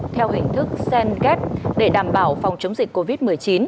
theo hình thức senget để đảm bảo phòng chống dịch covid một mươi chín